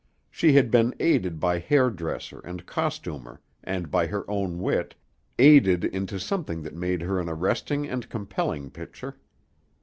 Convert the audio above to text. She had been aided by hair dresser and costumer and by her own wit, aided into something that made of her an arresting and compelling picture.